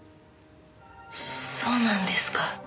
そうなんですか。